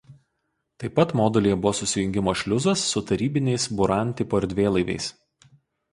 Taip pat modulyje buvo susijungimo šliuzas su tarybiniais „Buran“ tipo erdvėlaiviais.